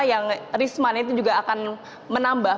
yang risma ini juga akan menambah